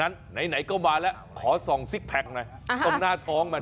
อันนั้นไหนก็มาแล้วขอสองซิกแพ็กหน่อยด้านหน้าทองมัน